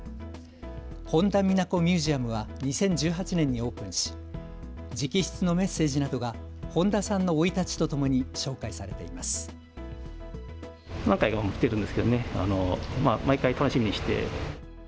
本田美奈子．ミュージアムは２０１８年にオープンし直筆のメッセージなどが本田さんの生い立ちとともに紹介されています。